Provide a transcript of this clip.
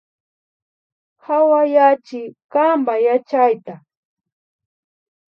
Hawayachi kanpa yachayta